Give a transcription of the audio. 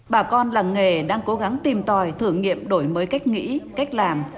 bà con làng nghề đang cố gắng tìm tòi thử nghiệm đổi mới cách nghĩ cách làm